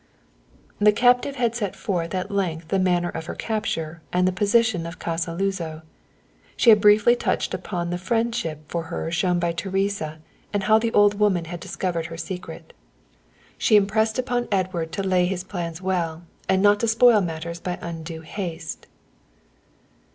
_" The captive had set forth at length the manner of her capture and the position of Casa Luzo. She had briefly touched upon the friendship for her shown by Teresa and how the old woman had discovered her secret. She impressed upon Edward to lay his plans well and not to spoil matters by undue haste.